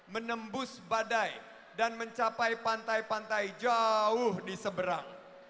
menembus badai dan mencapai pantai pantai jauh di seberang